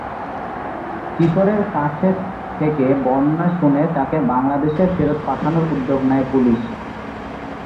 কিশোরের কাছ থেকে বর্ণনা শুনে তাকে বাংলাদেশে ফেরত পাঠানোর উদ্যোগ নেয় পুলিশ।